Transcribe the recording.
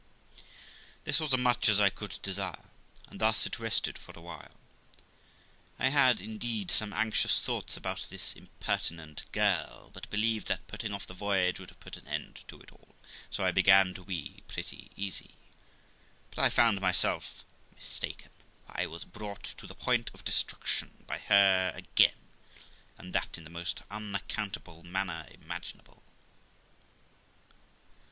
This was a much as I could desire, and thus it rested for awhile. I had indeed some anxious thoughts about this impertinent girl, but believed that putting off the voyage would have put an end to it all, so I began to be pretty easy; but I found myself mistaken, for I was brought to the point of destruction by her again, and that in the most unaccountable manner imaginable.